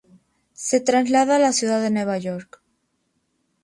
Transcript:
Se traslada a la ciudad de Nueva York.